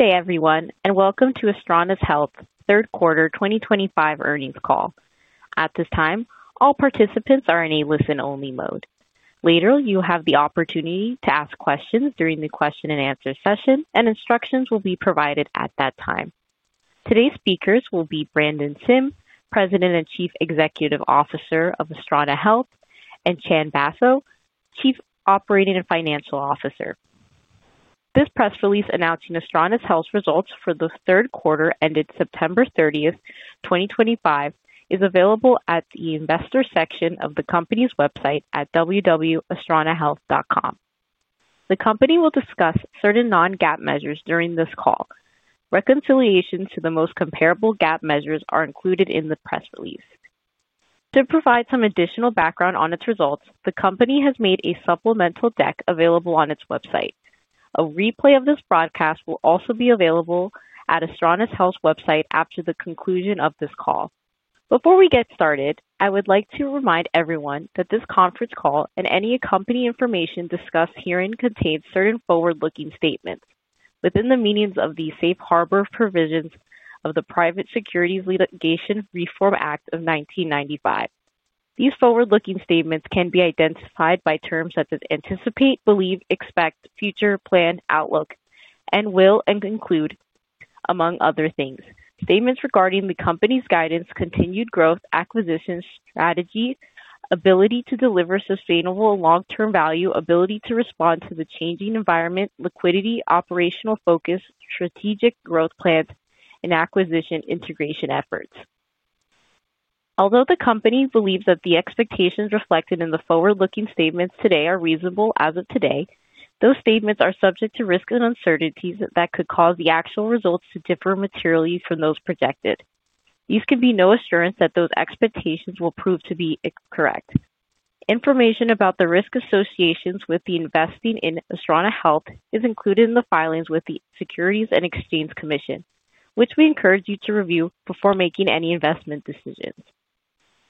Good day, everyone, and welcome to Astrana Health's third quarter 2025 earnings call. At this time, all participants are in a listen-only mode. Later, you'll have the opportunity to ask questions during the question-and-answer session, and instructions will be provided at that time. Today's speakers will be Brandon Sim, President and Chief Executive Officer of Astrana Health, and Chandan Basho, Chief Operating and Financial Officer. This press release announcing Astrana Health's results for the third quarter ended September 30th, 2025, is available at the Investor section of the company's website at www.astranahealth.com. The company will discuss certain non-GAAP measures during this call. Reconciliations to the most comparable GAAP measures are included in the press release. To provide some additional background on its results, the company has made a supplemental deck available on its website. A replay of this broadcast will also be available at Astrana Health's website after the conclusion of this call. Before we get started, I would like to remind everyone that this conference call and any accompanying information discussed herein contains certain forward-looking statements within the meanings of the Safe Harbor Provisions of the Private Securities Litigation Reform Act of 1995. These forward-looking statements can be identified by terms such as anticipate, believe, expect, future, plan, outlook, and will, and conclude, among other things. Statements regarding the company's guidance, continued growth, acquisition strategy, ability to deliver sustainable long-term value, ability to respond to the changing environment, liquidity, operational focus, strategic growth plans, and acquisition integration efforts. Although the company believes that the expectations reflected in the forward-looking statements today are reasonable as of today, those statements are subject to risks and uncertainties that could cause the actual results to differ materially from those projected. These can be no assurance that those expectations will prove to be correct. Information about the risk associations with the investing in Astrana Health is included in the filings with the Securities and Exchange Commission, which we encourage you to review before making any investment decisions.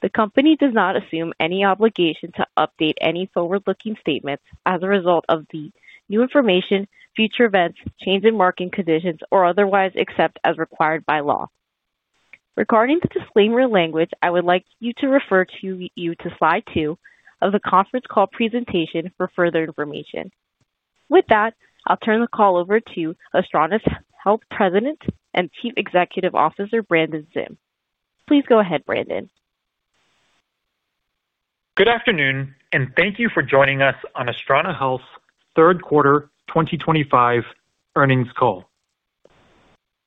The company does not assume any obligation to update any forward-looking statements as a result of the new information, future events, change in market conditions, or otherwise except as required by law. Regarding the disclaimer language, I would like you to refer to you to slide two of the conference call presentation for further information. With that, I'll turn the call over to Astrana's Health President and Chief Executive Officer Brandon Sim. Please go ahead, Brandon. Good afternoon, and thank you for joining us on Astrana Health's tthird quarter 2025 earnings call.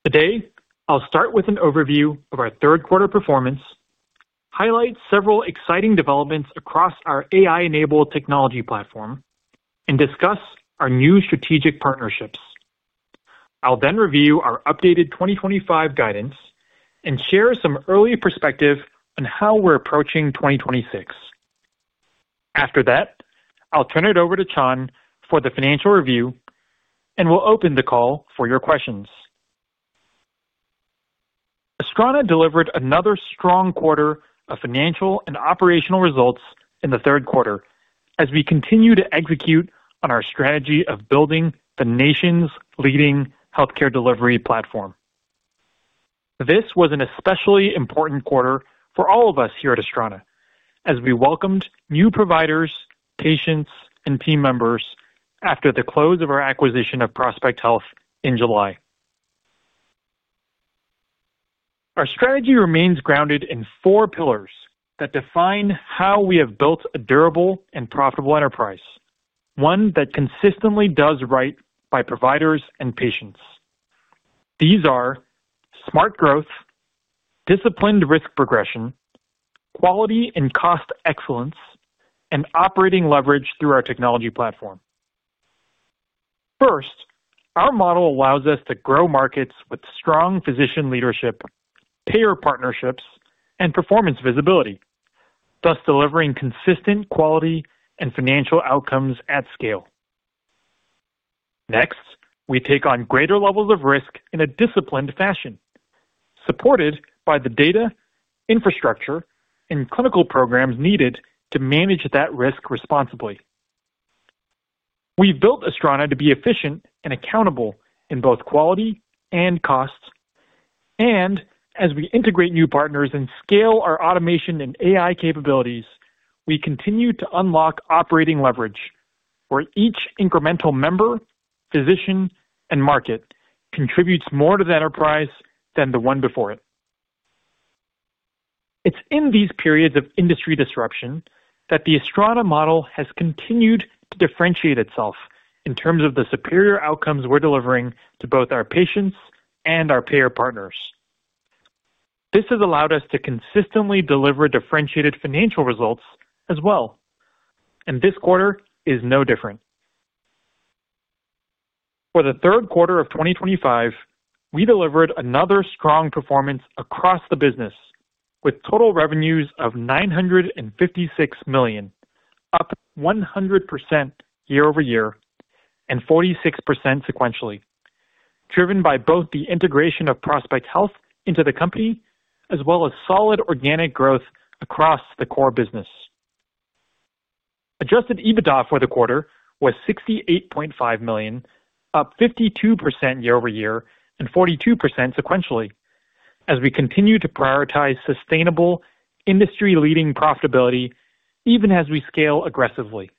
Today, I'll start with an overview of our third quarter performance, highlight several exciting developments across our AI-enabled technology platform, and discuss our new strategic partnerships. I'll then review our updated 2025 guidance and share some early perspective on how we're approaching 2026. After that, I'll turn it over to Chan for the financial review, and we'll open the call for your questions. Astrana delivered another strong quarter of financial and operational results in the third quarter as we continue to execute on our strategy of building the nation's leading healthcare delivery platform. This was an especially important quarter for all of us here at Astrana as we welcomed new providers, patients, and team members after the close of our acquisition of Prospect Health in July. Our strategy remains grounded in four pillars that define how we have built a durable and profitable enterprise, one that consistently does right by providers and patients. These are smart growth. Disciplined risk progression, quality and cost excellence, and operating leverage through our technology platform. First, our model allows us to grow markets with strong physician leadership, payer partnerships, and performance visibility, thus delivering consistent quality and financial outcomes at scale. Next, we take on greater levels of risk in a disciplined fashion, supported by the data, infrastructure, and clinical programs needed to manage that risk responsibly. We've built Astrana to be efficient and accountable in both quality and costs, and as we integrate new partners and scale our automation and AI capabilities, we continue to unlock operating leverage where each incremental member, physician, and market contributes more to the enterprise than the one before it. It's in these periods of industry disruption that the Astrana model has continued to differentiate itself in terms of the superior outcomes we're delivering to both our patients and our payer partners. This has allowed us to consistently deliver differentiated financial results as well. And this quarter is no different. For the third quarter of 2025, we delivered another strong performance across the business with total revenues of $956 million, up 100% year-over-year and 46% sequentially, driven by both the integration of Prospect Health into the company as well as solid organic growth across the core business. Adjusted EBITDA for the quarter was $68.5 million, up 52% year-over-year and 42% sequentially, as we continue to prioritize sustainable industry-leading profitability even as we scale aggressively.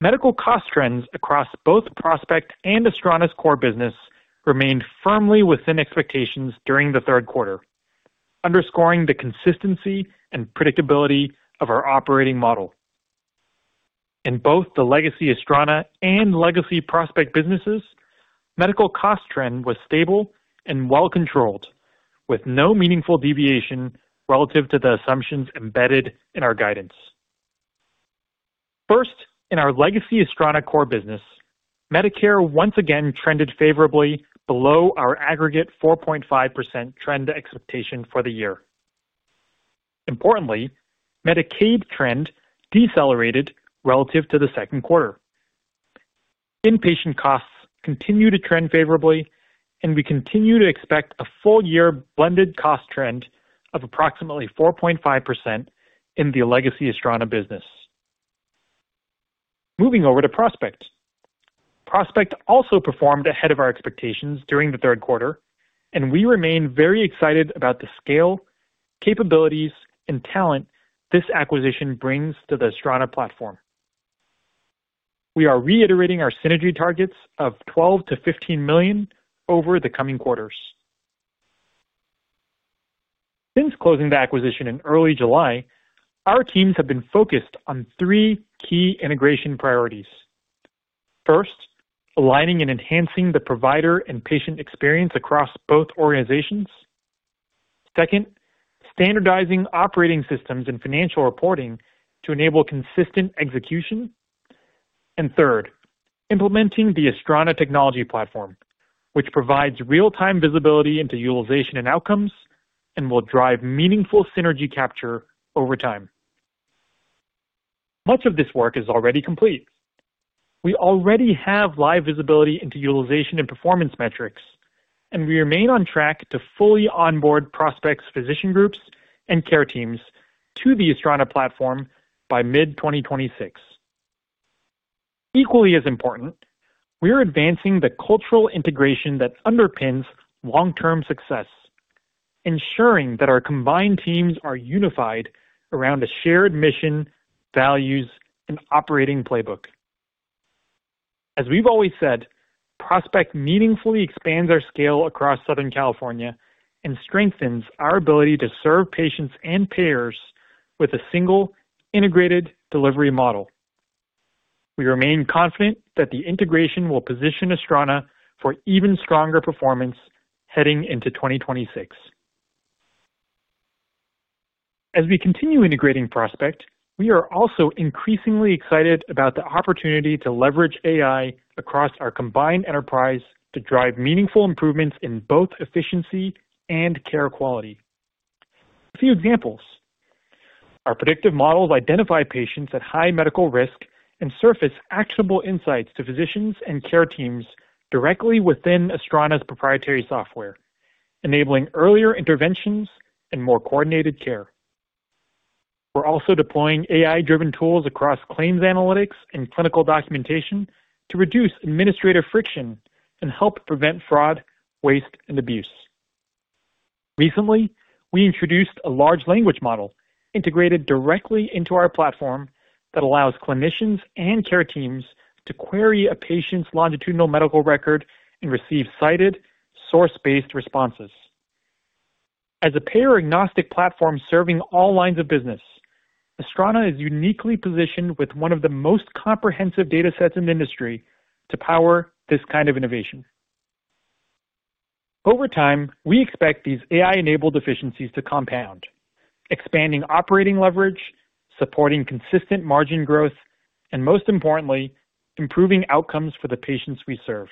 Medical cost trends across both Prospect and Astrana's core business remained firmly within expectations during the third quarter, underscoring the consistency and predictability of our operating model. In both the legacy Astrana and legacy Prospect businesses, medical cost trend was stable and well-controlled, with no meaningful deviation relative to the assumptions embedded in our guidance. First, in our legacy Astrana core business, Medicare once again trended favorably below our aggregate 4.5% trend expectation for the year. Importantly, Medicaid trend decelerated relative to the second quarter. Inpatient costs continue to trend favorably, and we continue to expect a full-year blended cost trend of approximately 4.5% in the legacy Astrana business. Moving over to Prospect. Prospect also performed ahead of our expectations during the third quarter, and we remain very excited about the scale, capabilities, and talent this acquisition brings to the Astrana platform. We are reiterating our synergy targets of $12 million-$15 million over the coming quarters. Since closing the acquisition in early July, our teams have been focused on three key integration priorities. First, aligning and enhancing the provider and patient experience across both organizations. Second, standardizing operating systems and financial reporting to enable consistent execution. And third, implementing the Astrana technology platform, which provides real-time visibility into utilization and outcomes and will drive meaningful synergy capture over time. Much of this work is already complete. We already have live visibility into utilization and performance metrics, and we remain on track to fully onboard Prospect's physician groups and care teams to the Astrana platform by mid-2026. Equally as important, we are advancing the cultural integration that underpins long-term success. Ensuring that our combined teams are unified around a shared mission, values, and operating playbook. As we've always said, Prospect meaningfully expands our scale across Southern California and strengthens our ability to serve patients and payers with a single integrated delivery model. We remain confident that the integration will position Astrana for even stronger performance heading into 2026. As we continue integrating Prospect, we are also increasingly excited about the opportunity to leverage AI across our combined enterprise to drive meaningful improvements in both efficiency and care quality. A few examples. Our predictive models identify patients at high medical risk and surface actionable insights to physicians and care teams directly within Astrana's proprietary software, enabling earlier interventions and more coordinated care. We're also deploying AI-driven tools across claims analytics and clinical documentation to reduce administrative friction and help prevent fraud, waste, and abuse. Recently, we introduced a large language model integrated directly into our platform that allows clinicians and care teams to query a patient's longitudinal medical record and receive cited, source-based responses. As a payer-agnostic platform serving all lines of business. Astrana is uniquely positioned with one of the most comprehensive data sets in the industry to power this kind of innovation. Over time, we expect these AI-enabled efficiencies to compound, expanding operating leverage, supporting consistent margin growth, and most importantly, improving outcomes for the patients we serve.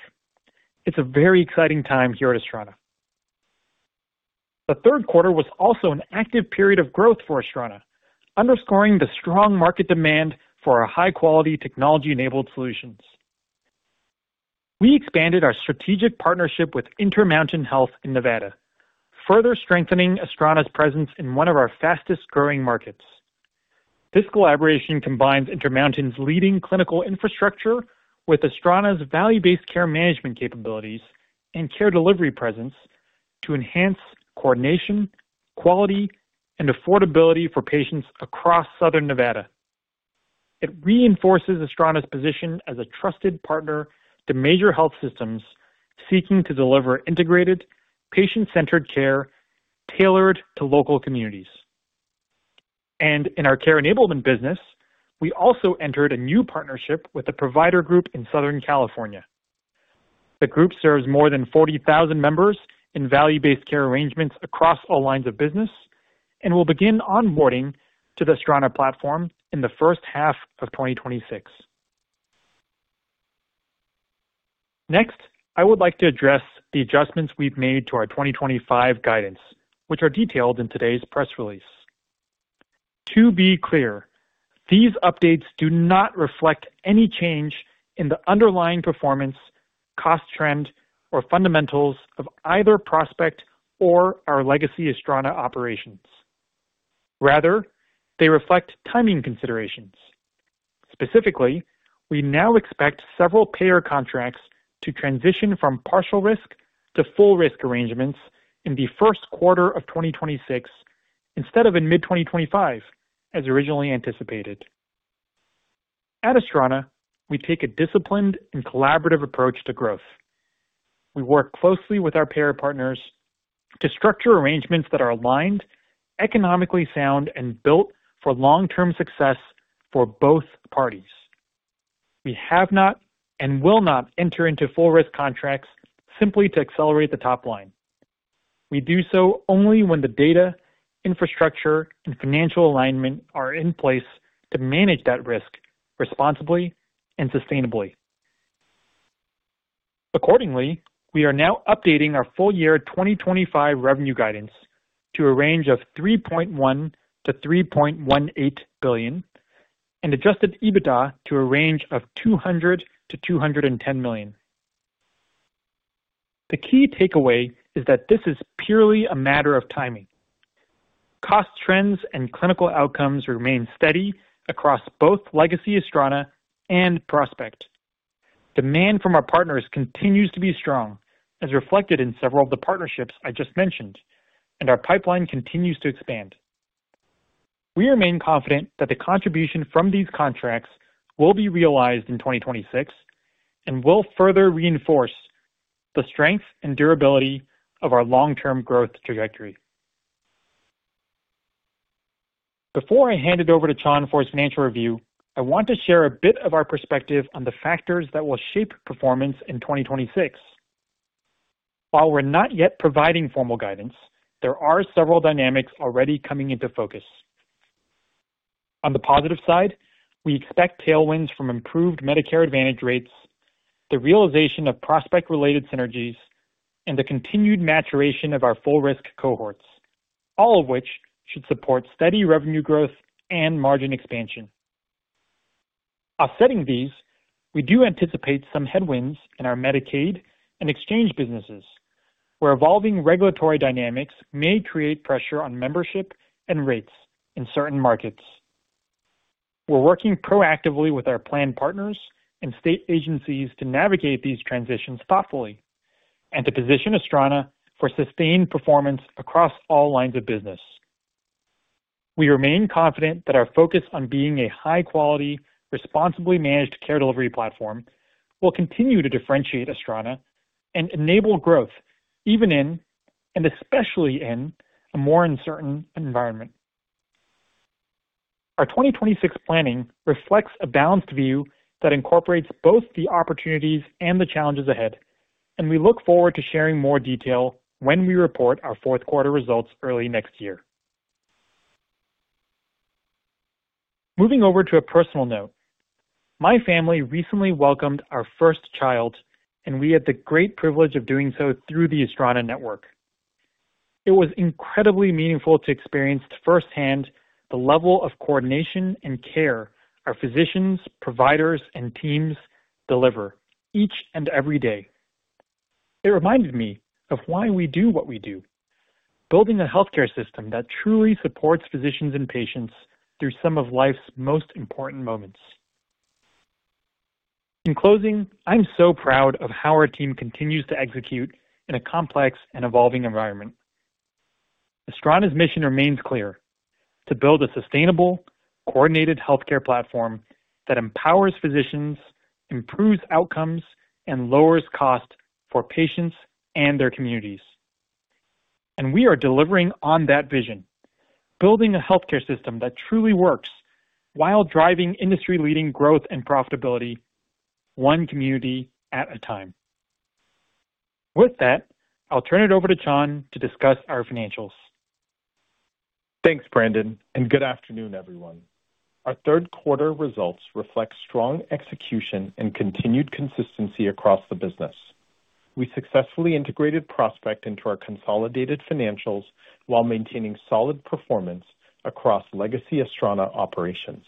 It's a very exciting time here at Astrana. The third quarter was also an active period of growth for Astrana, underscoring the strong market demand for our high-quality technology-enabled solutions. We expanded our strategic partnership with Intermountain Health in Nevada, further strengthening Astrana's presence in one of our fastest-growing markets. This collaboration combines Intermountain's leading clinical infrastructure with Astrana's value-based care management capabilities and care delivery presence to enhance coordination, quality, and affordability for patients across Southern Nevada. It reinforces Astrana's position as a trusted partner to major health systems seeking to deliver integrated, patient-centered care tailored to local communities. And in our Care Enablement business, we also entered a new partnership with a provider group in Southern California. The group serves more than 40,000 members in value-based care arrangements across all lines of business and will begin onboarding to the Astrana platform in the first half of 2026. Next, I would like to address the adjustments we've made to our 2025 guidance, which are detailed in today's press release. To be clear, these updates do not reflect any change in the underlying performance, cost trend, or fundamentals of either Prospect or our legacy Astrana operations. Rather, they reflect timing considerations. Specifically, we now expect several payer contracts to transition from partial risk to full risk arrangements in the first quarter of 2026 instead of in mid-2025, as originally anticipated. At Astrana, we take a disciplined and collaborative approach to growth. We work closely with our payer partners to structure arrangements that are aligned, economically sound, and built for long-term success for both parties. We have not and will not enter into full risk contracts simply to accelerate the top line. We do so only when the data, infrastructure, and financial alignment are in place to manage that risk responsibly and sustainably. Accordingly, we are now updating our full-year 2025 revenue guidance to a range of $3.1 billion-$3.18 billion and adjusted EBITDA to a range of $200 million-$210 million. The key takeaway is that this is purely a matter of timing. Cost trends and clinical outcomes remain steady across both legacy Astrana and Prospect. Demand from our partners continues to be strong, as reflected in several of the partnerships I just mentioned, and our pipeline continues to expand. We remain confident that the contribution from these contracts will be realized in 2026 and will further reinforce the strength and durability of our long-term growth trajectory. Before I hand it over to Chan for his financial review, I want to share a bit of our perspective on the factors that will shape performance in 2026. While we're not yet providing formal guidance, there are several dynamics already coming into focus. On the positive side, we expect tailwinds from improved Medicare Advantage rates, the realization of Prospect-related synergies, and the continued maturation of our full-risk cohorts, all of which should support steady revenue growth and margin expansion. Offsetting these, we do anticipate some headwinds in our Medicaid and Exchange businesses, where evolving regulatory dynamics may create pressure on membership and rates in certain markets. We're working proactively with our planned partners and state agencies to navigate these transitions thoughtfully and to position Astrana for sustained performance across all lines of business. We remain confident that our focus on being a high-quality, responsibly-managed Care Delivery platform will continue to differentiate Astrana and enable growth, even in, and especially in, a more uncertain environment. Our 2026 planning reflects a balanced view that incorporates both the opportunities and the challenges ahead, and we look forward to sharing more detail when we report our fourth-quarter results early next year. Moving over to a personal note, my family recently welcomed our first child, and we had the great privilege of doing so through the Astrana network. It was incredibly meaningful to experience firsthand the level of coordination and care our physicians, providers, and teams deliver each and every day. It reminded me of why we do what we do. Building a healthcare system that truly supports physicians and patients through some of life's most important moments. In closing, I'm so proud of how our team continues to execute in a complex and evolving environment. Astrana's mission remains clear: to build a sustainable, coordinated healthcare platform that empowers physicians, improves outcomes, and lowers costs for patients and their communities. And we are delivering on that vision, building a healthcare system that truly works while driving industry-leading growth and profitability, one community at a time. With that, I'll turn it over to Chan to discuss our financials. Thanks, Brandon, and good afternoon, everyone. Our third-quarter results reflect strong execution and continued consistency across the business. We successfully integrated Prospect into our consolidated financials while maintaining solid performance across legacy Astrana operations.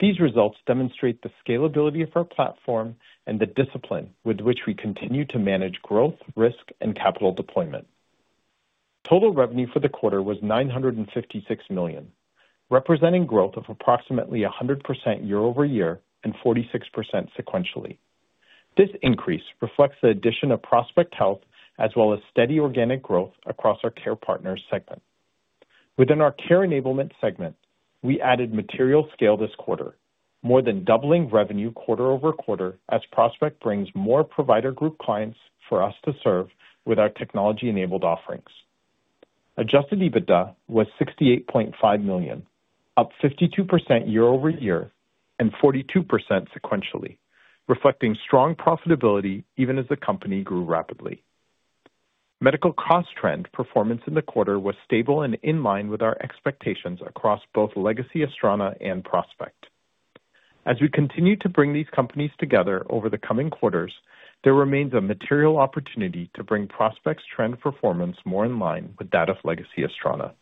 These results demonstrate the scalability of our platform and the discipline with which we continue to manage growth, risk, and capital deployment. Total revenue for the quarter was $956 million, representing growth of approximately 100% year-over-year and 46% sequentially. This increase reflects the addition of Prospect Health as well as steady organic growth across our Care Partners segment. Within our Care Enablement segment, we added material scale this quarter, more than doubling revenue quarter-over-quarter as Prospect brings more provider group clients for us to serve with our technology-enabled offerings. Adjusted EBITDA was $68.5 million, up 52% year-over-year and 42% sequentially, reflecting strong profitability even as the company grew rapidly. Medical cost trend performance in the quarter was stable and in line with our expectations across both legacy Astrana and Prospect. As we continue to bring these companies together over the coming quarters, there remains a material opportunity to bring Prospect's trend performance more in line with that of legacy Astrana.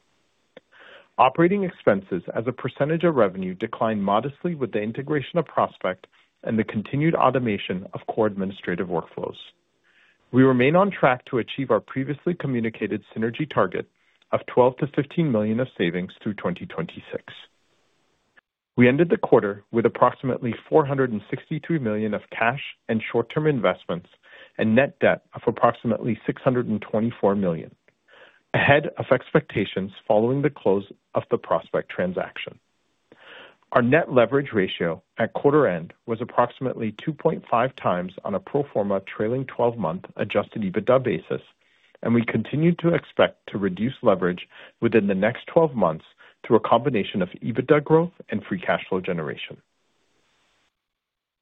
Operating expenses as a percentage of revenue declined modestly with the integration of Prospect and the continued automation of core administrative workflows. We remain on track to achieve our previously communicated synergy target of $12 million-$15 million of savings through 2026. We ended the quarter with approximately $462 million of cash and short-term investments and net debt of approximately $624 million, ahead of expectations following the close of the Prospect transaction. Our Net Leverage Ratio at quarter-end was approximately 2.5x on a pro forma trailing 12-month adjusted EBITDA basis, and we continue to expect to reduce leverage within the next 12 months through a combination of EBITDA growth and free cash flow generation.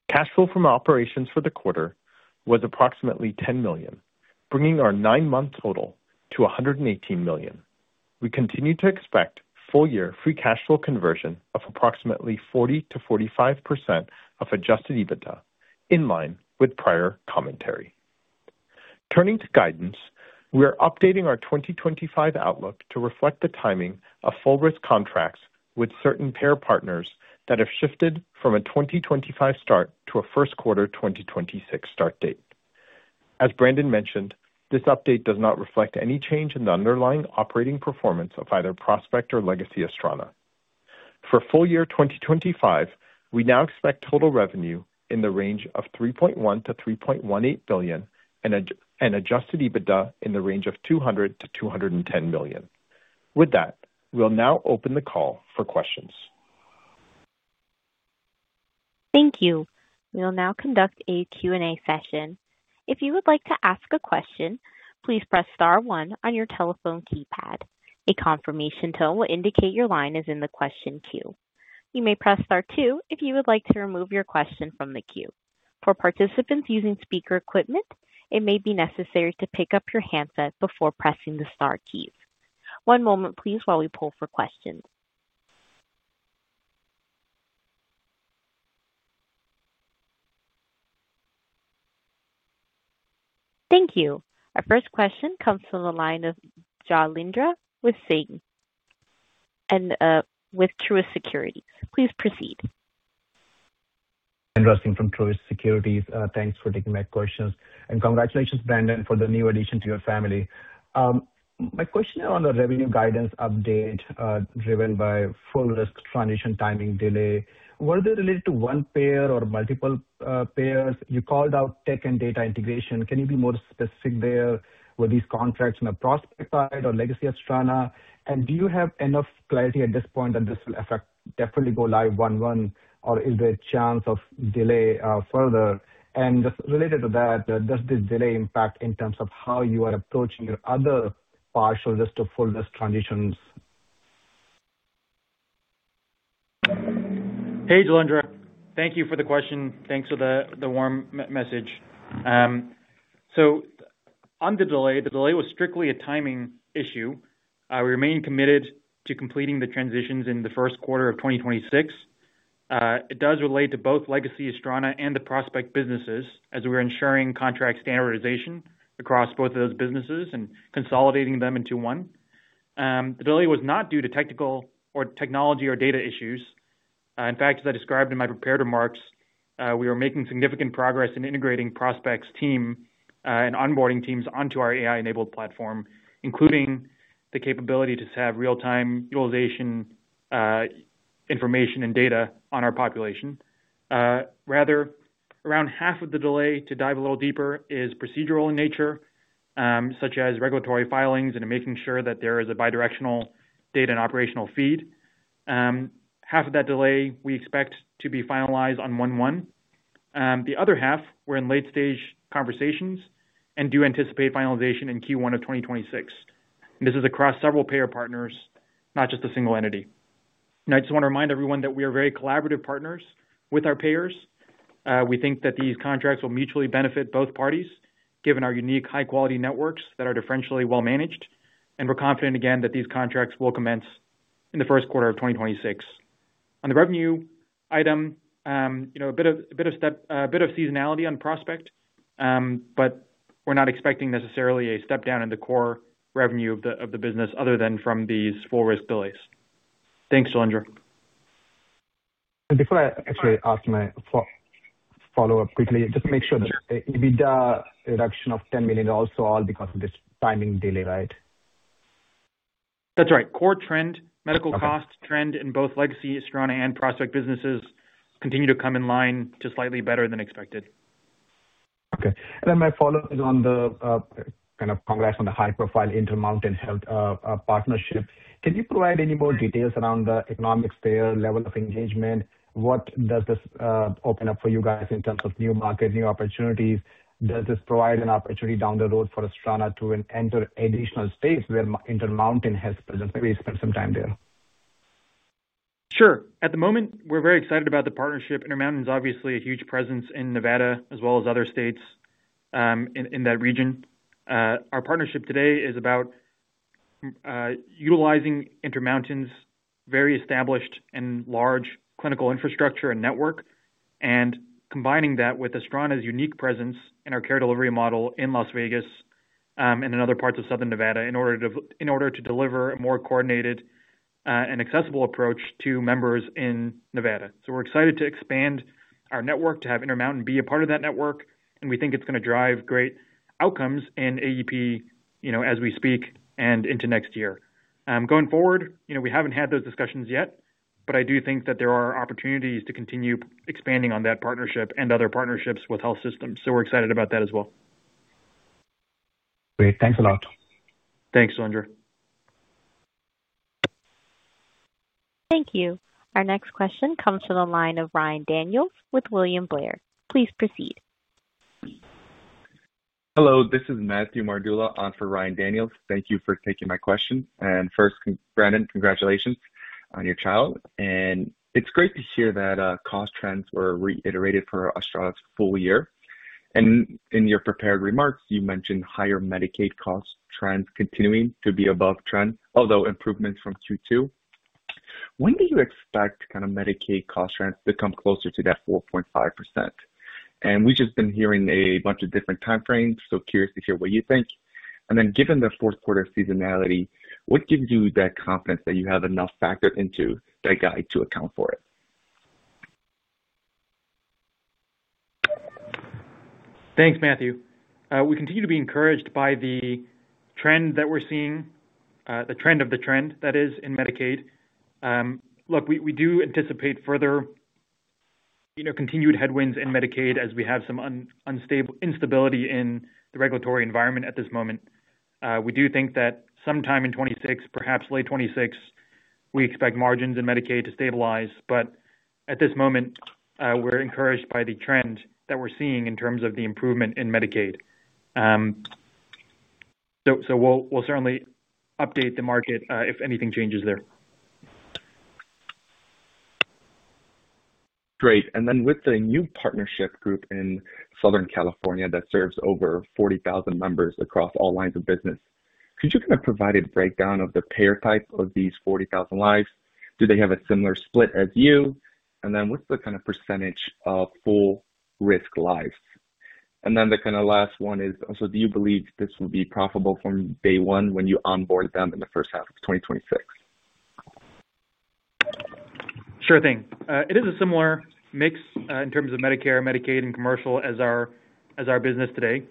Cash flow from operations for the quarter was approximately $10 million, bringing our nine-month total to $118 million. We continue to expect full-year free cash flow conversion of approximately 40%-45% of adjusted EBITDA, in line with prior commentary. Turning to guidance, we are updating our 2025 outlook to reflect the timing of full-risk contracts with certain payer partners that have shifted from a 2025 start to a first quarter 2026 start date. As Brandon mentioned, this update does not reflect any change in the underlying operating performance of either Prospect or legacy Astrana. For full-year 2025, we now expect total revenue in the range of $3.1 billion-$3.18 billion and adjusted EBITDA in the range of $200 million-$210 million. With that, we'll now open the call for questions. Thank you. We'll now conduct a Q&A session. If you would like to ask a question, please press star one on your telephone keypad. A confirmation tone will indicate your line is in the question queue. You may press star two if you would like to remove your question from the queue. For participants using speaker equipment, it may be necessary to pick up your handset before pressing the star keys. One moment, please, while we pull for questions. Thank you. Our first question comes from the line of Jailendra Singh with Truist Securities. Please proceed. Jailendra Singh from Truist Securities. Thanks for taking my questions. And congratulations, Brandon, for the new addition to your family. My question is on the revenue guidance update driven by full-risk transition timing delay. Were they related to one payer or multiple payers? You called out tech and data integration. Can you be more specific there? Were these contracts on the Prospect side or legacy Astrana? And do you have enough clarity at this point that this will effectively go live one-one, or is there a chance of delay further? And related to that, does this delay impact in terms of how you are approaching your other partial risk to full-risk transitions? Hey, Jailendra. Thank you for the question. Thanks for the warm message. So. On the delay, the delay was strictly a timing issue. We remain committed to completing the transitions in the first quarter of 2026. It does relate to both legacy Astrana and the Prospect businesses as we're ensuring contract standardization across both of those businesses and consolidating them into one. The delay was not due to technical or technology or data issues. In fact, as I described in my prepared remarks, we are making significant progress in integrating Prospect's team and onboarding teams onto our AI-enabled platform, including the capability to have real-time utilization. Information and data on our population. Rather, around half of the delay to dive a little deeper is procedural in nature, such as regulatory filings and making sure that there is a bidirectional data and operational feed. Half of that delay we expect to be finalized on one-one. The other half, we're in late-stage conversations and do anticipate finalization in Q1 of 2026. This is across several payer partners, not just a single entity. I just want to remind everyone that we are very collaborative partners with our payers. We think that these contracts will mutually benefit both parties, given our unique high-quality networks that are differentially well-managed. And we're confident, again, that these contracts will commence in the first quarter of 2026. On the revenue item, a bit of seasonality on Prospect, but we're not expecting necessarily a step down in the core revenue of the business other than from these full-risk delays. Thanks, Jailendra. And before I actually ask my. Follow-up quickly, just to make sure that the EBITDA reduction of $10 million is all because of this timing delay, right? That's right. Core trend, medical cost trend in both legacy Astrana and Prospect businesses continue to come in line just slightly better than expected. Okay. And then my follow-up is on the kind of congrats on the high-profile Intermountain Health Partnership. Can you provide any more details around the economic sphere, level of engagement? What does this open up for you guys in terms of new market, new opportunities? Does this provide an opportunity down the road for Astrana to enter additional states where Intermountain has presence? Maybe spend some time there. Sure. At the moment, we're very excited about the partnership. Intermountain is obviously a huge presence in Nevada as well as other states. In that region. Our partnership today is about. Utilizing Intermountain's very established and large clinical infrastructure and network and combining that with Astrana's unique presence in our Care Delivery model in Las Vegas and in other parts of Southern Nevada in order to deliver a more coordinated. And accessible approach to members in Nevada. So we're excited to expand our network, to have Intermountain be a part of that network, and we think it's going to drive great outcomes in AEP as we speak and into next year. Going forward, we haven't had those discussions yet, but I do think that there are opportunities to continue expanding on that partnership and other partnerships with health systems. So we're excited about that as well. Great. Thanks a lot. Thanks, Jailendra. Thank you. Our next question comes from the line of Ryan Daniels with William Blair. Please proceed. Hello. This is Matthew Mardula on for Ryan Daniels. Thank you for taking my question. And first, Brandon, congratulations on your child. And it's great to hear that cost trends were reiterated for Astrana's full year. And in your prepared remarks, you mentioned higher Medicaid cost trends continuing to be above trend, although improvements from Q2. When do you expect kind of Medicaid cost trends to come closer to that 4.5%? And we've just been hearing a bunch of different time frames, so curious to hear what you think. And then given the fourth-quarter seasonality, what gives you that confidence that you have enough factors into that guide to account for it? Thanks, Matthew. We continue to be encouraged by the. Trend that we're seeing, the trend of the trend, that is, in Medicaid. Look, we do anticipate further continued headwinds in Medicaid as we have some instability in the regulatory environment at this moment. We do think that sometime in 2026, perhaps late 2026, we expect margins in Medicaid to stabilize. But at this moment, we're encouraged by the trend that we're seeing in terms of the improvement in Medicaid. So we'll certainly update the market if anything changes there. Great. And then with the new partnership group in Southern California that serves over 40,000 members across all lines of business, could you kind of provide a breakdown of the payer type of these 40,000 lives? Do they have a similar split as you? And then what's the kind of percentage of full-risk lives? And then the kind of last one is, so do you believe this will be profitable from day one when you onboard them in the first half of 2026? Sure thing. It is a similar mix in terms of Medicare, Medicaid, and commercial as our business today.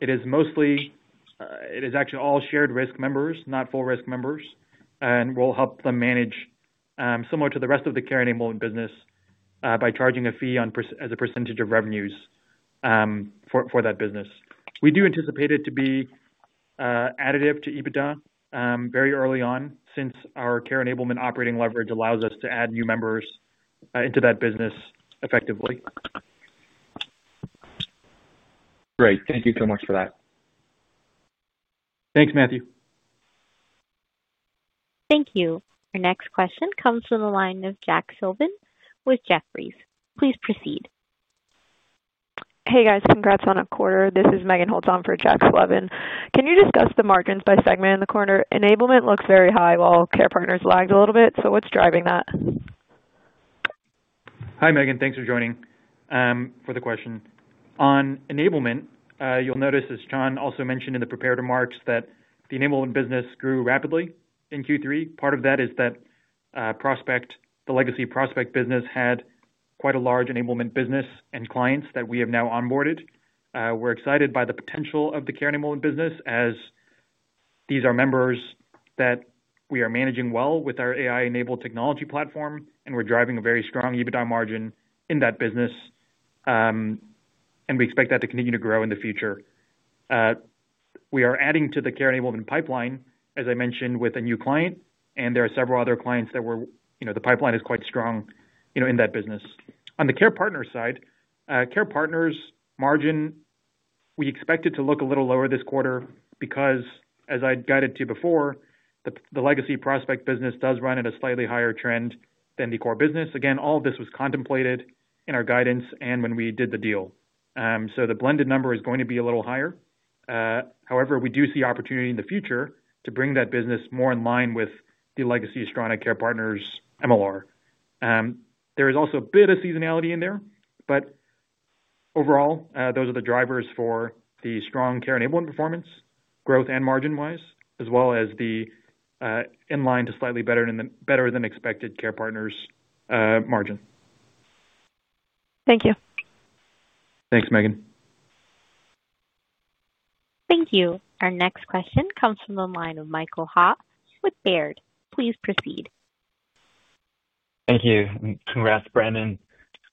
It is mostly. It is actually all shared risk members, not full-risk members. And we'll help them manage similar to the rest of the Care Enablement business. By charging a fee as a percentage of revenues. For that business. We do anticipate it to be. Additive to EBITDA very early on since our Care Enablement operating leverage allows us to add new members into that business effectively. Great. Thank you so much for that. Thanks, Matthew. Thank you. Our next question comes from the line of Jack Slevin with Jeffries. Please proceed. Hey, guys. Congrats on a quarter. This is Megan Holtz for Jack Sullivan. Can you discuss the margins by segment in the quarter? Enablement looks very high while Care Partners lagged a little bit. So what's driving that? Hi, Megan. Thanks for joining for the question. On enablement, you'll notice, as Chan also mentioned in the prepared remarks, that the enablement business grew rapidly in Q3. Part of that is that. The legacy Prospect business had quite a large enablement business and clients that we have now onboarded. We're excited by the potential of the Care Enablement business as. These are members that we are managing well with our AI-enabled technology platform, and we're driving a very strong EBITDA margin in that business. And we expect that to continue to grow in the future. We are adding to the Care Enablement pipeline, as I mentioned, with a new client. And there are several other clients that we're the pipeline is quite strong in that business. On the care partner side, Care Partners' margin, we expect it to look a little lower this quarter because, as I guided to before, the legacy Prospect business does run at a slightly higher trend than the core business. Again, all of this was contemplated in our guidance and when we did the deal. So the blended number is going to be a little higher. However, we do see opportunity in the future to bring that business more in line with the legacy Astrana Care Partners' MLR. There is also a bit of seasonality in there, but. Overall, those are the drivers for the strong Care Enablement performance, growth and margin-wise, as well as the. In-line to slightly better-than-expected Care Partners' margin. Thank you. Thanks, Megan. Thank you. Our next question comes from the line of Michael Ha with Baird. Please proceed. Thank you. And congrats, Brandon.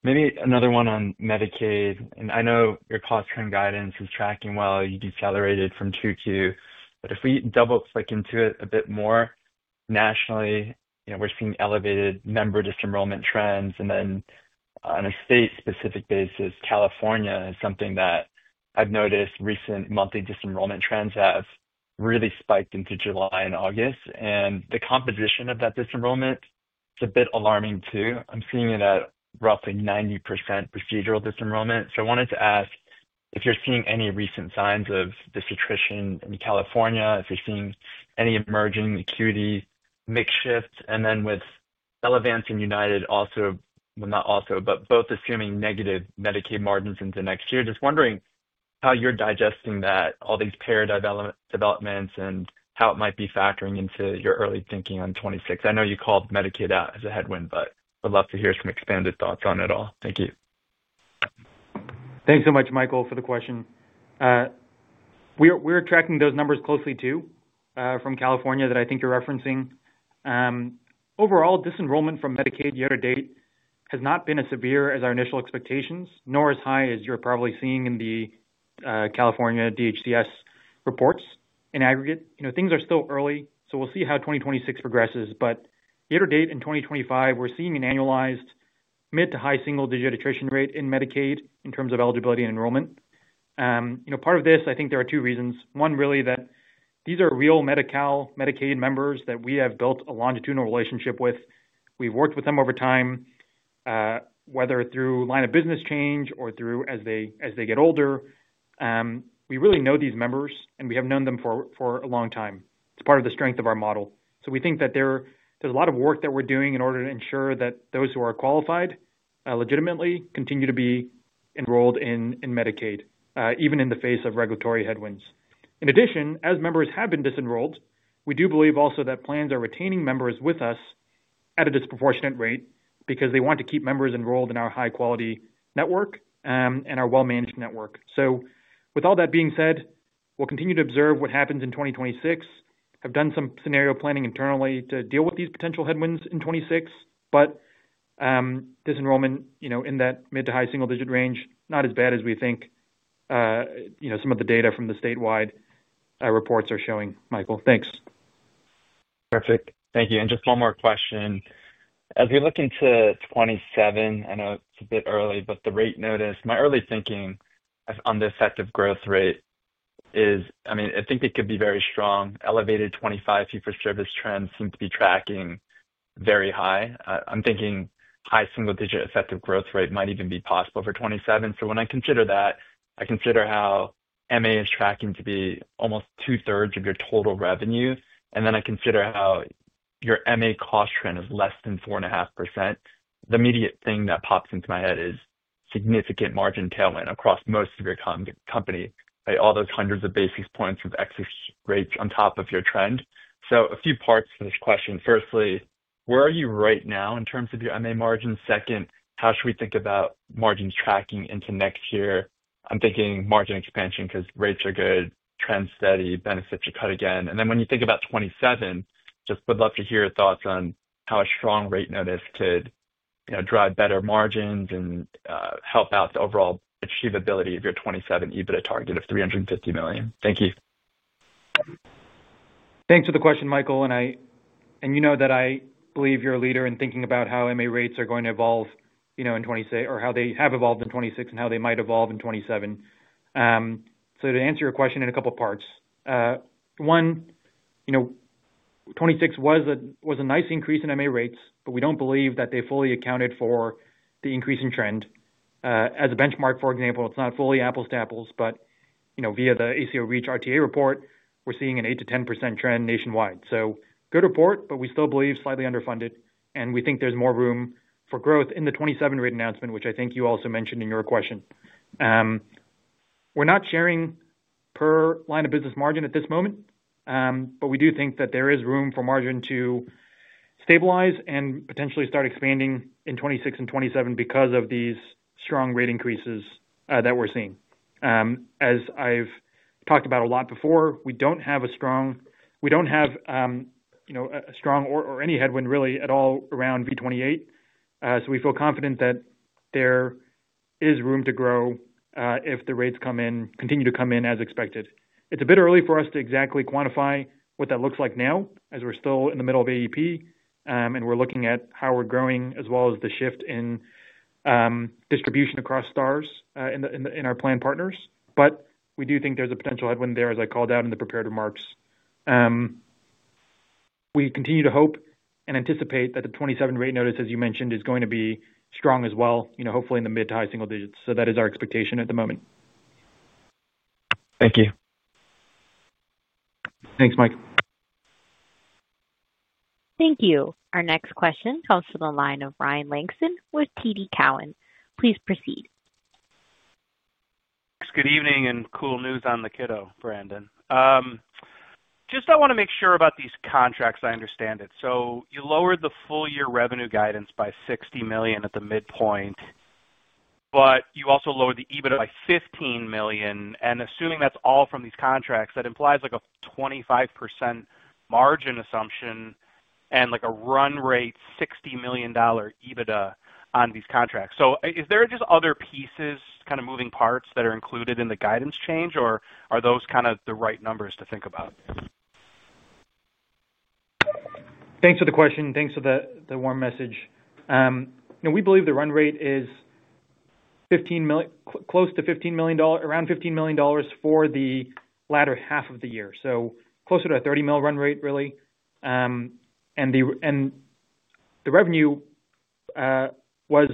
Maybe another one on Medicaid. And I know your cost trend guidance is tracking well. You decelerated from Q2. But if we double-click into it a bit more, nationally, we're seeing elevated member disenrollment trends. And then. On a state-specific basis, California is something that I've noticed recent monthly disenrollment trends have really spiked into July and August. And the composition of that disenrollment, it's a bit alarming too. I'm seeing it at roughly 90% procedural disenrollment. So I wanted to ask if you're seeing any recent signs of this attrition in California, if you're seeing any emerging acuity mix shifts. And then with. Relevance and United also, well, not also, but both assuming negative Medicaid margins into next year, just wondering how you're digesting all these payer developments and how it might be factoring into your early thinking on 2026. I know you called Medicaid out as a headwind, but would love to hear some expanded thoughts on it all. Thank you. Thanks so much, Michael, for the question. We're tracking those numbers closely too from California that I think you're referencing. Overall, disenrollment from Medicaid year-to-date has not been as severe as our initial expectations, nor as high as you're probably seeing in the. California DHCS reports in aggregate. Things are still early, so we'll see how 2026 progresses. But year-to-date in 2025, we're seeing an annualized mid to high single-digit attrition rate in Medicaid in terms of eligibility and enrollment. Part of this, I think there are two reasons. One, really, that these are real Medi-Cal Medicaid members that we have built a longitudinal relationship with. We've worked with them over time, whether through line of business change or through as they get older. We really know these members, and we have known them for a long time. It's part of the strength of our model. So we think that there's a lot of work that we're doing in order to ensure that those who are qualified legitimately continue to be enrolled in Medicaid, even in the face of regulatory headwinds. In addition, as members have been disenrolled, we do believe also that plans are retaining members with us at a disproportionate rate because they want to keep members enrolled in our high-quality network and our well-managed network. So with all that being said, we'll continue to observe what happens in 2026. I've done some scenario planning internally to deal with these potential headwinds in 2026. But. Disenrollment in that mid to high single-digit range, not as bad as we think. Some of the data from the statewide reports are showing, Michael. Thanks. Perfect. Thank you. And just one more question. As we look into 2027, I know it's a bit early, but the rate notice, my early thinking on the effective growth rate is, I mean, I think it could be very strong. Elevated 2025 fee-for-service trends seem to be tracking very high. I'm thinking high single-digit effective growth rate might even be possible for 2027. So when I consider that, I consider how MA is tracking to be almost 2/3 of your total revenue. And then I consider how your MA cost trend is less than 4.5%. The immediate thing that pops into my head is significant margin tailwind across most of your company, all those hundreds of basis points of excess rates on top of your trend. So a few parts to this question. Firstly, where are you right now in terms of your MA margin? Second, how should we think about margins tracking into next year? I'm thinking margin expansion because rates are good, trends steady, benefits are cut again. And then when you think about 2027, just would love to hear your thoughts on how a strong rate notice could drive better margins and help out the overall achievability of your 2027 EBITDA target of $350 million. Thank you. Thanks for the question, Michael. And you know that I believe you're a leader in thinking about how MA rates are going to evolve. In 2026 or how they have evolved in 2026 and how they might evolve in 2027. So to answer your question in a couple of parts. One. 2026 was a nice increase in MA rates, but we don't believe that they fully accounted for the increase in trend. As a benchmark, for example, it's not fully apples to apples, but via the ACO REACH RTA report, we're seeing an 8%-10% trend nationwide. So good report, but we still believe slightly underfunded. And we think there's more room for growth in the 2027 rate announcement, which I think you also mentioned in your question. We're not sharing. Per line of business margin at this moment, but we do think that there is room for margin to. Stabilize and potentially start expanding in 2026 and 2027 because of these strong rate increases that we're seeing. As I've talked about a lot before, we don't have a strong. We don't have. A strong or any headwind really at all around V28. So we feel confident that. There is room to grow if the rates continue to come in as expected. It's a bit early for us to exactly quantify what that looks like now, as we're still in the middle of AEP, and we're looking at how we're growing as well as the shift in. Distribution across stars in our planned partners. But we do think there's a potential headwind there, as I called out in the prepared remarks. We continue to hope and anticipate that the 2027 rate notice, as you mentioned, is going to be strong as well, hopefully in the mid to high single digits. So that is our expectation at the moment. Thank you. Thanks, Mike. Thank you. Our next question comes from the line of Ryan Langston with TD Cowen. Please proceed. Thanks. Good evening and cool news on the kiddo, Brandon. Just I want to make sure about these contracts, I understand it. So you lowered the full-year revenue guidance by $60 million at the midpoint. But you also lowered the EBITDA by $15 million. And assuming that's all from these contracts, that implies a 25%. Margin assumption and a run rate, $60 million EBITDA on these contracts. So is there just other pieces, kind of moving parts that are included in the guidance change, or are those kind of the right numbers to think about? Thanks for the question. Thanks for the warm message. We believe the run rate is. Close to. Around $15 million for the latter half of the year, so closer to a $30-mill run rate, really. And. The revenue. Was.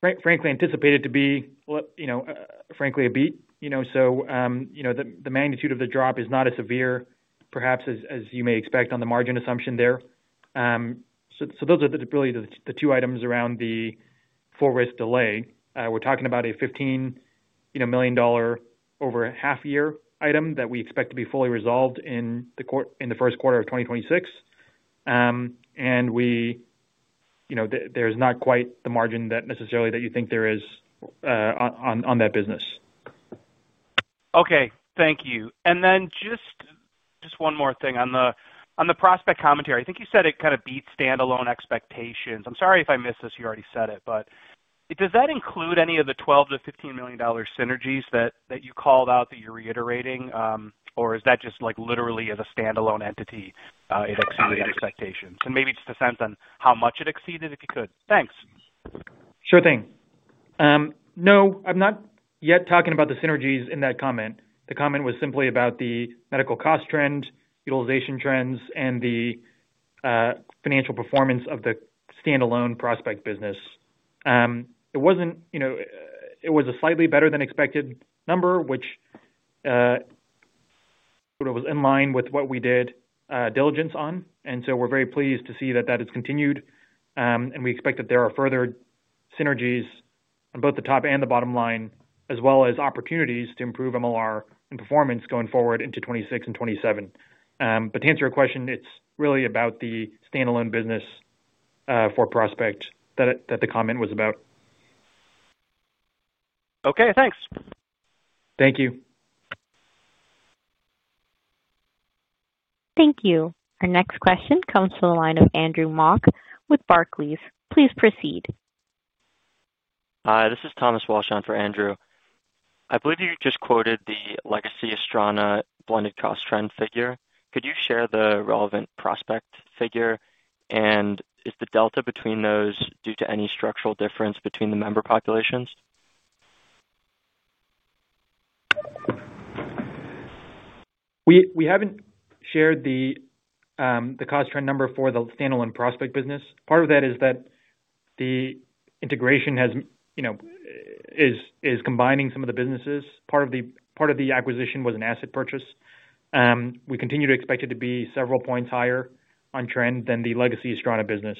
Frankly anticipated to be. Frankly a beat. So. The magnitude of the drop is not as severe, perhaps, as you may expect on the margin assumption there. So those are really the two items around the. Full-risk delay. We're talking about a $15 million over a half-year item that we expect to be fully resolved in the first quarter of 2026. And. There's not quite the margin necessarily that you think there is. On that business. Okay. Thank you. And then just. One more thing on the Prospect commentary. I think you said it kind of beat standalone expectations. I'm sorry if I missed this. You already said it, but does that include any of the $12 million-$15 million synergies that you called out that you're reiterating, or is that just literally as a standalone entity? It exceeded expectations. And maybe just a sense on how much it exceeded, if you could. Thanks. Sure thing. No, I'm not yet talking about the synergies in that comment. The comment was simply about the medical cost trend, utilization trends, and the. Financial performance of the standalone Prospect business. It was. A slightly better-than-expected number, which. Was in line with what we did diligence on. And so we're very pleased to see that that has continued. And we expect that there are further synergies on both the top and the bottom line, as well as opportunities to improve MLR and performance going forward into 2026 and 2027. But to answer your question, it's really about the standalone business. For Prospect that the comment was about. Okay. Thanks. Thank you. Thank you. Our next question comes from the line of Andrew Mok with Barclays. Please proceed. Hi. This is Thomas Walsh on for Andrew. I believe you just quoted the legacy Astrana blended cost trend figure. Could you share the relevant Prospect figure, and is the delta between those due to any structural difference between the member populations? We haven't shared the. Cost trend number for the standalone Prospect business. Part of that is that. The integration. Is combining some of the businesses. Part of the acquisition was an asset purchase. We continue to expect it to be several points higher on trend than the legacy Astrana business.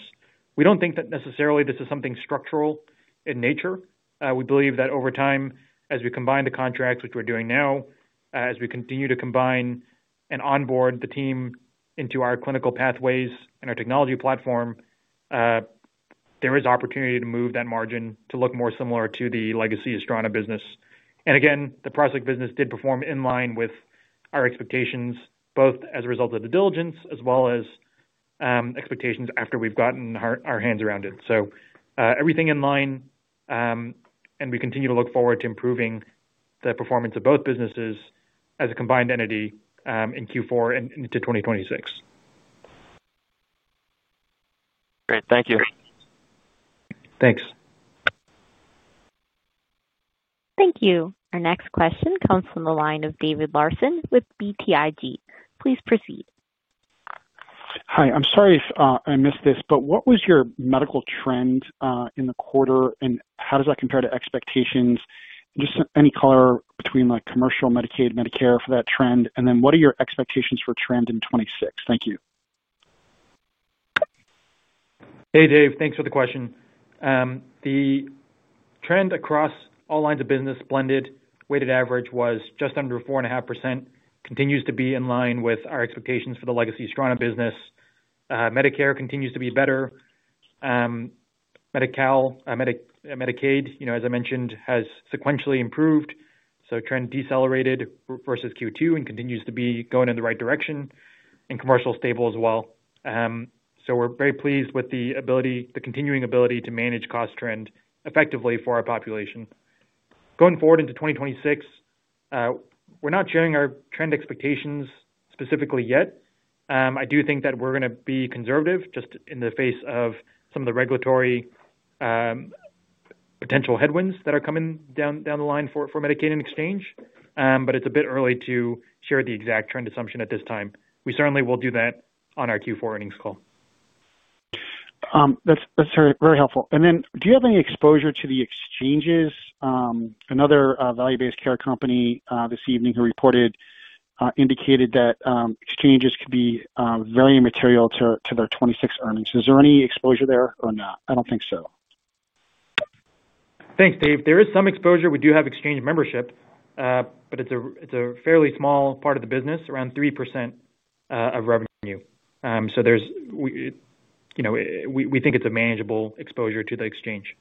We don't think that necessarily this is something structural in nature. We believe that over time, as we combine the contracts, which we're doing now, as we continue to combine and onboard the team into our clinical pathways and our technology platform. There is opportunity to move that margin to look more similar to the legacy Astrana business. And again, the Prospect business did perform in line with our expectations, both as a result of the diligence as well as. Expectations after we've gotten our hands around it. So everything in line, and we continue to look forward to improving the performance of both businesses as a combined entity in Q4 and into 2026. Great. Thank you. Thanks. Thank you. Our next question comes from the line of David Larson with BTIG. Please proceed. Hi. I'm sorry if I missed this, but what was your medical trend in the quarter, and how does that compare to expectations? Just any color between commercial Medicaid, Medicare for that trend, and then what are your expectations for trend in 2026? Thank you. Hey, Dave. Thanks for the question. The. Trend across all lines of business blended weighted average was just under 4.5%, continues to be in line with our expectations for the legacy Astrana business. Medicare continues to be better. Medi-Cal. Medicaid, as I mentioned, has sequentially improved, so trend decelerated versus Q2 and continues to be going in the right direction, and commercial stable as well. So we're very pleased with the continuing ability to manage cost trend effectively for our population. Going forward into 2026. We're not sharing our trend expectations specifically yet. I do think that we're going to be conservative just in the face of some of the regulatory. Potential headwinds that are coming down the line for Medicaid and Exchange, but it's a bit early to share the exact trend assumption at this time. We certainly will do that on our Q4 earnings call. That's very helpful. And then do you have any exposure to the Exchanges? Another value-based care company this evening who reported. Indicated that exchanges could be very immaterial to their 2026 earnings. Is there any exposure there or not? I don't think so. Thanks, Dave. There is some exposure. We do have exchange membership. But it's a fairly small part of the business, around 3%. Of revenue. So. We think it's a manageable exposure to the Exchange.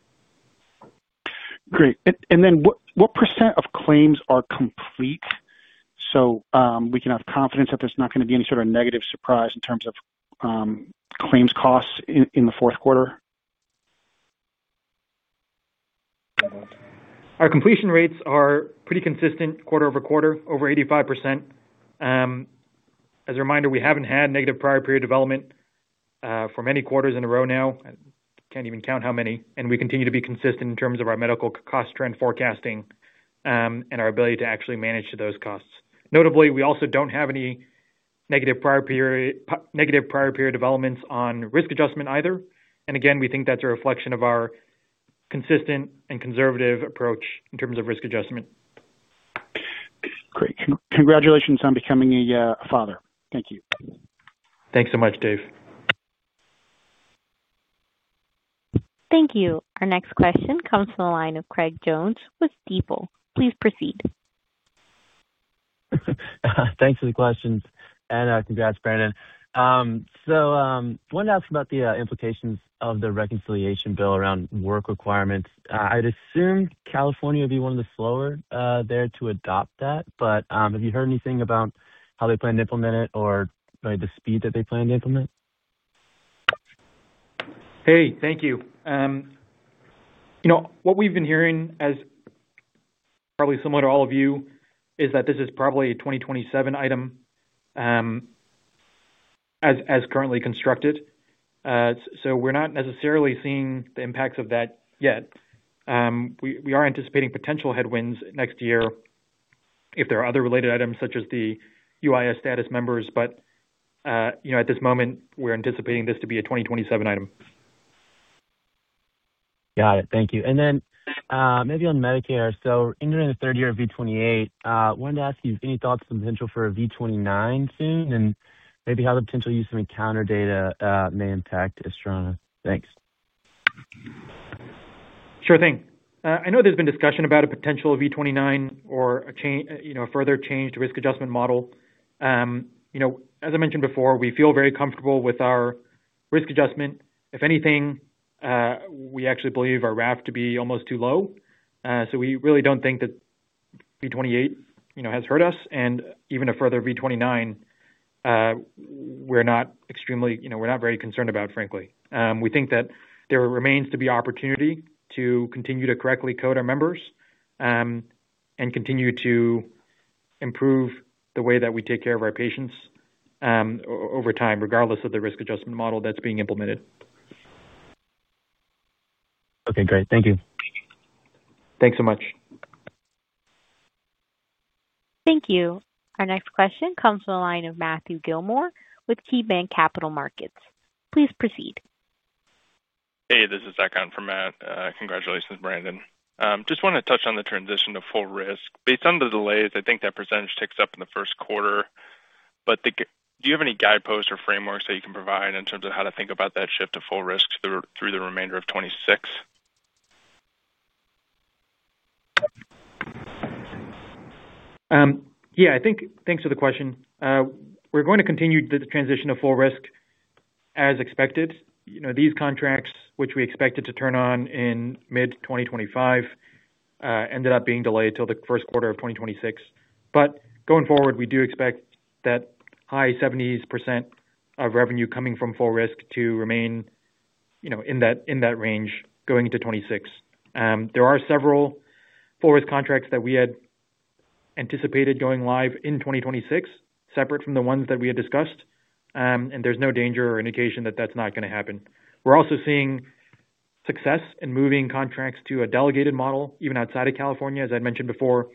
Great. And then what percent of claims are complete so we can have confidence that there's not going to be any sort of negative surprise in terms of. Claims costs in the fourth quarter? Our completion rates are pretty consistent quarter-over-quarter, over 85%. As a reminder, we haven't had negative prior period development. For many quarters in a row now. Can't even count how many. And we continue to be consistent in terms of our medical cost trend forecasting. And our ability to actually manage those costs. Notably, we also don't have any negative prior period. Developments on risk adjustment either. And again, we think that's a reflection of our consistent and conservative approach in terms of risk adjustment. Great. Congratulations on becoming a father. Thank you. Thanks so much, Dave. Thank you. Our next question comes from the line of Craig Jones with Stifel. Please proceed. Thanks for the questions. And congrats, Brandon. So I wanted to ask about the implications of the reconciliation bill around work requirements. I'd assume California would be one of the slower there to adopt that, but have you heard anything about how they plan to implement it or the speed that they plan to implement? Hey, thank you. What we've been hearing, as. Probably similar to all of you, is that this is probably a 2027 item. As currently constructed. So we're not necessarily seeing the impacts of that yet. We are anticipating potential headwinds next year. If there are other related items such as the UIS status members, but. At this moment, we're anticipating this to be a 2027 item. Got it. Thank you. And then maybe on Medicare, so entering the third year of V28, I wanted to ask you if you have any thoughts on the potential for a V29 soon and maybe how the potential use of encounter data may impact Astrana. Thanks. Sure thing. I know there's been discussion about a potential V29 or a further change to risk adjustment model. As I mentioned before, we feel very comfortable with our risk adjustment. If anything. We actually believe our RAF to be almost too low. So we really don't think that. V28 has hurt us, and even a further V29. We're not extremely—we're not very concerned about, frankly. We think that there remains to be opportunity to continue to correctly code our members. And continue to. Improve the way that we take care of our patients. Over time, regardless of the risk adjustment model that's being implemented. Okay. Great. Thank you. Thanks so much. Thank you. Our next question comes from the line of Matthew Gilmor with KeyBanc Capital Markets. Please proceed. Hey, this is Zach Hunt from Matt. Congratulations, Brandon. Just wanted to touch on the transition to full risk. Based on the delays, I think that percentage ticks up in the first quarter, but do you have any guideposts or frameworks that you can provide in terms of how to think about that shift to full risk through the remainder of 2026? Yeah. I think thanks for the question. We're going to continue the transition to full risk as expected. These contracts, which we expected to turn on in mid-2025. Ended up being delayed till the first quarter of 2026. But going forward, we do expect that high 70% of revenue coming from full risk to remain. In that range going into 2026. There are several. Full-risk contracts that we had. Anticipated going live in 2026, separate from the ones that we had discussed, and there's no danger or indication that that's not going to happen. We're also seeing. Success in moving contracts to a delegated model, even outside of California. As I mentioned before,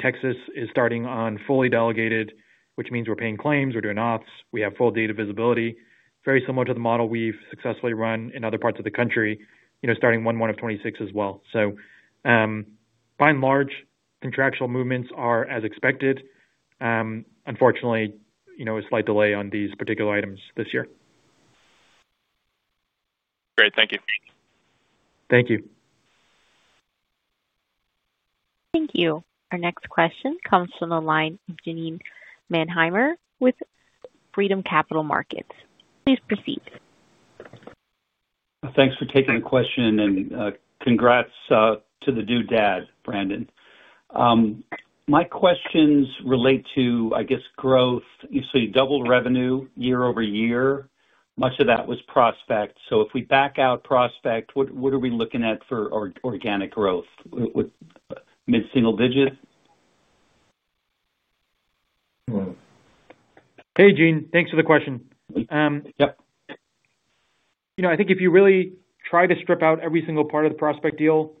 Texas is starting on fully delegated, which means we're paying claims, we're doing ops, we have full data visibility, very similar to the model we've successfully run in other parts of the country starting 1st January, 2026 as well. So. By and large, contractual movements are as expected. Unfortunately, a slight delay on these particular items this year. Great. Thank you. Thank you. Thank you. Our next question comes from the line of Gene Mannheimer with Freedom Capital Markets. Please proceed. Thanks for taking the question, and congrats to the dude dad, Brandon. My questions relate to, I guess, growth. You say double revenue year-over-year. Much of that was Prospect. So if we back out Prospect, what are we looking at for organic growth? Mid-single digit? Hey, Gene. Thanks for the question. Yep. I think if you really try to strip out every single part of the Prospect deal,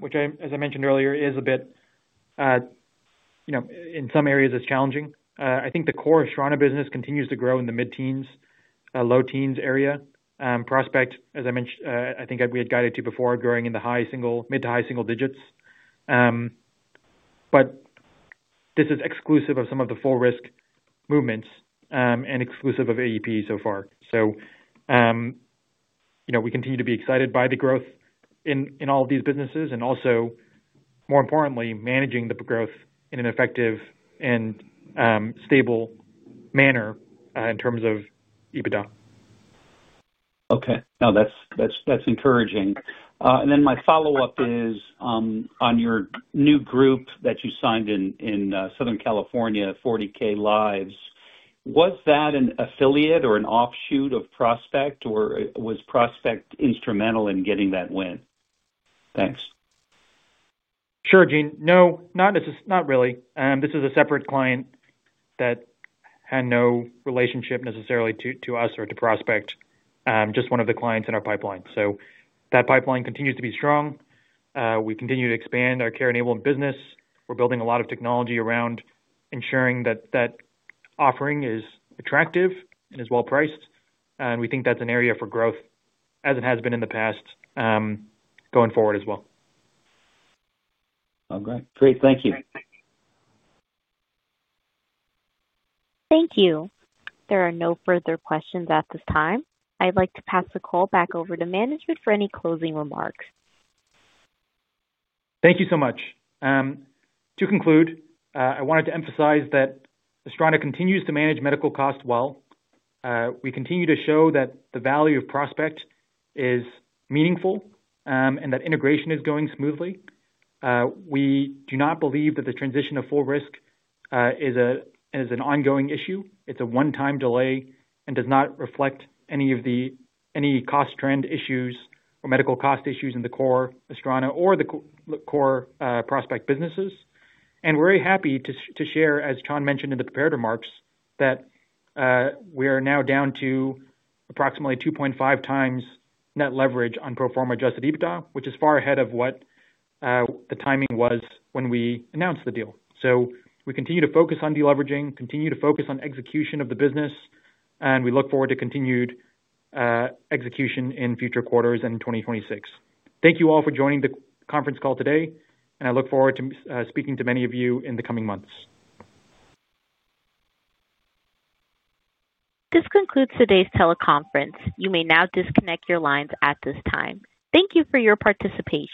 which, as I mentioned earlier, is a bit. In some areas challenging, I think the core Astrana business continues to grow in the mid-teens, low-teens area. Prospect, as I mentioned, I think we had guided to before growing in the mid-to-high single digits. But. This is exclusive of some of the full-risk movements and exclusive of AEP so far. So. We continue to be excited by the growth. In all of these businesses and also, more importantly, managing the growth in an effective and stable manner in terms of EBITDA. Okay. No, that's encouraging. And then my follow-up is. On your new group that you signed in Southern California, 40,000 Lives. Was that an affiliate or an offshoot of Prospect, or was Prospect instrumental in getting that win? Thanks. Sure, Gene. No, not really. This is a separate client that. Had no relationship necessarily to us or to Prospect, just one of the clients in our pipeline. So that pipeline continues to be strong. We continue to expand our care-enabled business. We're building a lot of technology around ensuring that that offering is attractive and is well-priced. And we think that's an area for growth, as it has been in the past. Going forward as well. All right. Great. Thank you. Thank you. There are no further questions at this time. I'd like to pass the call back over to management for any closing remarks. Thank you so much. To conclude, I wanted to emphasize that Astrana continues to manage medical costs well. We continue to show that the value of Prospect is meaningful and that integration is going smoothly. We do not believe that the transition of full risk is an ongoing issue. It's a one-time delay and does not reflect any. Cost trend issues or medical cost issues in the core Astrana or the core Prospect businesses. And we're very happy to share, as Chan mentioned in the prepared remarks, that. We are now down to approximately 2.5x Net Leverage on pro forma adjusted EBITDA, which is far ahead of what. The timing was when we announced the deal. So we continue to focus on deleveraging, continue to focus on execution of the business. And we look forward to continued. Execution in future quarters and in 2026. Thank you all for joining the conference call today, and I look forward to speaking to many of you in the coming months. This concludes today's teleconference. You may now disconnect your lines at this time. Thank you for your participation.